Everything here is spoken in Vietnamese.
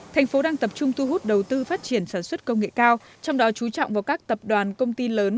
thành phố đang tập trung thu hút đầu tư phát triển sản xuất công nghệ cao trong đó chú trọng vào các tập đoàn công ty lớn